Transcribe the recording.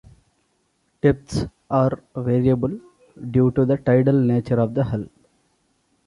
Depths are variable due to the tidal nature of the Hull.